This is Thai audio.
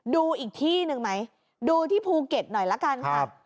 ดูอีกที่หนึ่งไหมดูที่ภูเก็ตหน่อยละกันค่ะ